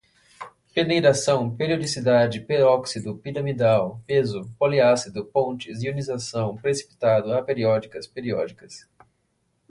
peneiração, periodicidade, peróxido, piramidal, peso, poliácido, pontes, ionização, precipitado, aperiódicas, periódicas